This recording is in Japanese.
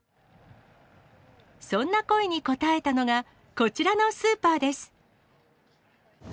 そんな声に応えたのが、こちらのスーパーです。